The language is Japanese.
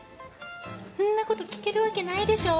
んなこと聞けるわけないでしょ？